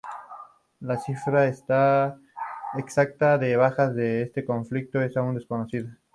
La cifra exacta de bajas de este conflicto es aún desconocida.